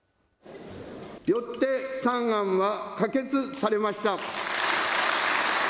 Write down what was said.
よって３案は可決されました。